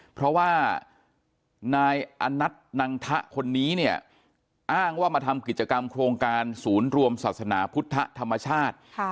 เพราะว่านายอนัทนังทะคนนี้เนี่ยอ้างว่ามาทำกิจกรรมโครงการศูนย์รวมศาสนาพุทธธรรมชาติ